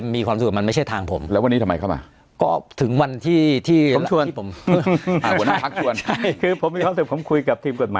ไม่อยู่ในหัวเลยครับปฏิเสธมาตลอด